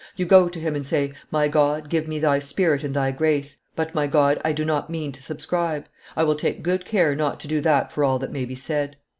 You go to Him and say, 'My God, give me Thy spirit and Thy grace; but, my God, I do not mean to subscribe; I will take good care not to do that for all that may be said.